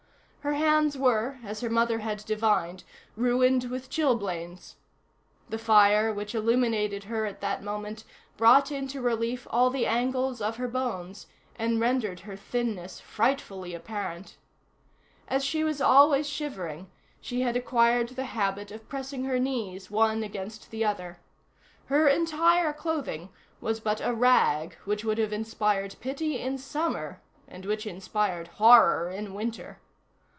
Her hands were, as her mother had divined, "ruined with chilblains." The fire which illuminated her at that moment brought into relief all the angles of her bones, and rendered her thinness frightfully apparent. As she was always shivering, she had acquired the habit of pressing her knees one against the other. Her entire clothing was but a rag which would have inspired pity in summer, and which inspired horror in winter.